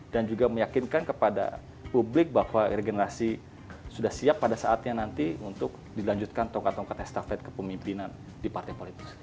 dan juga meyakinkan kepada publik bahwa regenerasi sudah siap pada saatnya nanti untuk dilanjutkan tongkat tongkat estafet kepemimpinan di partai politik